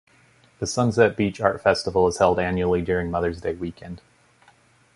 The Sunset Beach Art Festival is held annually during Mothers Day weekend.